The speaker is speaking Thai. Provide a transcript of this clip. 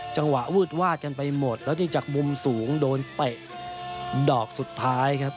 วืดวาดกันไปหมดแล้วนี่จากมุมสูงโดนเตะดอกสุดท้ายครับ